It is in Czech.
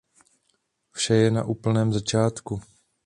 Vše je na úplném začátku.